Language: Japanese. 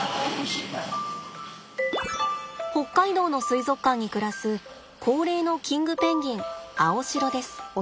北海道の水族館に暮らす高齢のキングペンギンアオシロです。